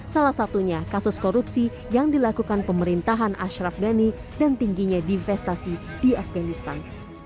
salah satunya kasus korupsi yang dilakukan pemerintahan ashraf ghani dan tingginya divestasi di afganistan